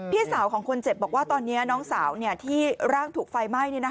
พี่สาวของคนเจ็บบอกว่าตอนนี้น้องสาวที่ร่างถูกไฟไหม้